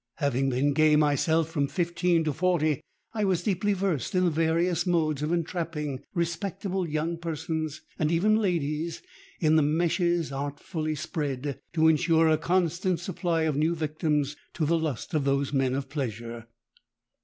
Having been gay myself from fifteen to forty, I was deeply versed in the various modes of entrapping respectable young persons, and even ladies, in the meshes artfully spread to ensure a constant supply of new victims to the lust of those men of pleasure.